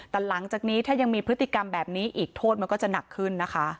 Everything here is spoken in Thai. แต่หลังจากนี้ถ้ายังมีพฤติกรรมแบบนี้อีกโทษมันก็จะหนักขึ้นนะคะ